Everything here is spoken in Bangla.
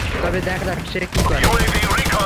তবে দেখা যাক সে কি করে।